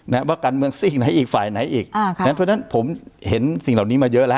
ว่าการเมืองซิ่งไหนอีกฝ่ายไหนอีกอ่าค่ะงั้นเพราะฉะนั้นผมเห็นสิ่งเหล่านี้มาเยอะแล้ว